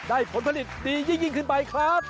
ผลผลิตดียิ่งขึ้นไปครับ